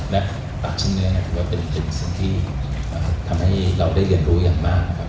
และปรับชิ้นเนื้อนะครับคือว่าเป็นอีกสิ่งที่เอ่อทำให้เราได้เรียนรู้อย่างมากครับ